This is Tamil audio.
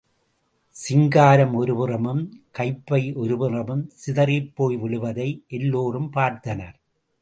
சிங்காரம் ஒருபுறமும், கைப்பை ஒரு புறமும் சிதறிப் போய் விழுவதை எல்லோரும் பார்த்தனர்.